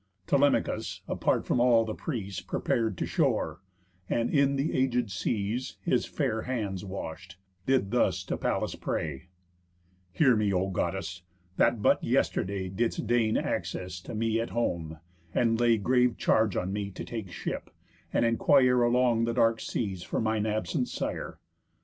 Telemachus, apart from all the prease, Prepar'd to shore, and, in the aged seas His fair hands wash'd, did thus to Pallas pray: "Hear me, O Goddess, that but yesterday Didst deign access to me at home, and lay Grave charge on me to take ship, and inquire Along the dark seas for mine absent sire!